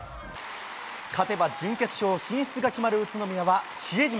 勝てば準決勝進出が決まる宇都宮は比江島。